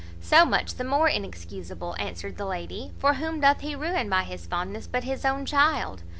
"So much the more inexcuseable," answered the lady; "for whom doth he ruin by his fondness but his own child?"